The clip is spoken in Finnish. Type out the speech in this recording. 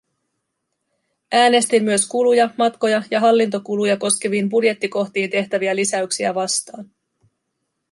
Äänestin myös kuluja, matkoja ja hallintokuluja koskeviin budjettikohtiin tehtäviä lisäyksiä vastaan.